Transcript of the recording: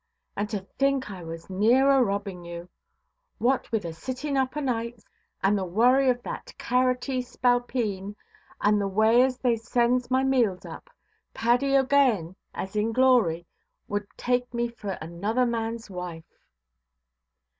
And to think I was near a robbing you! What with the sitting up o' nights, and the worry of that carroty spalpeen, and the way as they sends my meals up, Paddy OʼGaghan, as is in glory, wud take me for another manʼs wife".